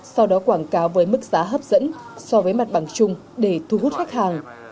sau đó quảng cáo với mức giá hấp dẫn so với mặt bằng chung để thu hút khách hàng